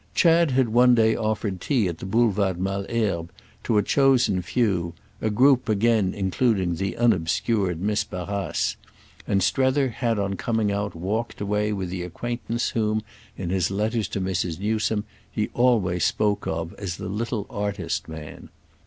Chad had one day offered tea at the Boulevard Malesherbes to a chosen few, a group again including the unobscured Miss Barrace; and Strether had on coming out walked away with the acquaintance whom in his letters to Mrs. Newsome he always spoke of as the little artist man.